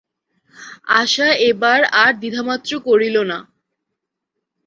আশা এবার আর দ্বিধামাত্র করিল না।